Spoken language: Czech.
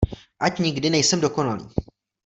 Ať nikdy nejsem dokonalý!